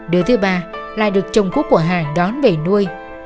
đứa thứ ba lại được chồng quốc của hà đón về nuôi